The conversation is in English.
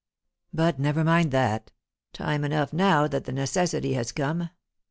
"But never mind that; time enough now that the necessity has come.